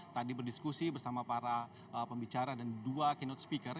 tadi berdiskusi bersama para pembicara dan dua keynote speaker